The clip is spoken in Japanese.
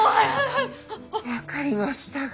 分かりましたか。